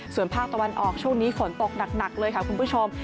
ส่วนภาคตะวันออกช่วงนี้ฝนตกหนักเลยค่ะคุณผู้ชม